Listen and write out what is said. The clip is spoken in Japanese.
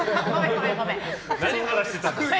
何話してたんですか？